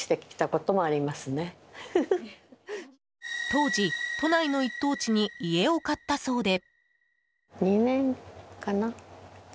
当時、都内の一等地に家を買ったそうで。